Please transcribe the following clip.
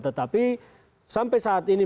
tetapi sampai saat ini bagi partai demokrat ini